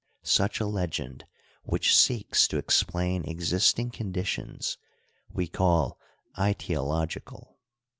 Such a legend which seeks to explain existing conditions we call aiteological.